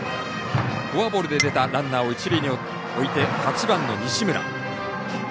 フォアボールで出たランナーを一塁に置いて８番の西村。